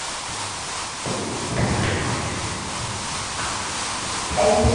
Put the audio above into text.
One of the longstanding traditions at the college involves the Sabrina Statue.